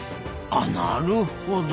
あなるほど。